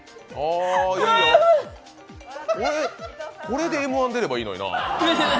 これでＭ−１出ればいいのになぁ。